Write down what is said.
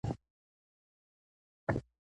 فرهنګ د ولس د ګډ فکر استازیتوب کوي.